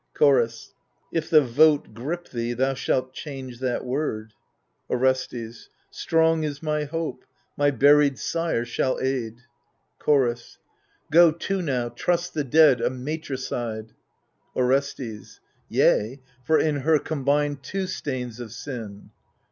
Chorus If the vote grip thee, thou shalt change that word. Orestes Strong is my hope ; my buried sire shall aid. THE FURIES 163 Chorus Go to now, trust the dead, a matricide t Orestes Yea, for in her combined two stains of sin.